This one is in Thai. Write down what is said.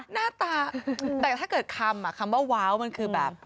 หน้าตาแต่ถ้าเกิดคำคำว่าว้าวมันคือแบบ